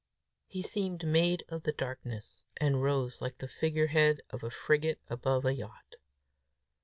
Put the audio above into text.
He seemed made of the darkness, and rose like the figurehead of a frigate above a yacht.